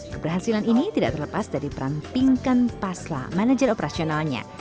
keberhasilan ini tidak terlepas dari peran pingkan pasla manajer operasionalnya